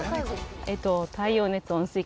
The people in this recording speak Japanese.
太陽熱温水器？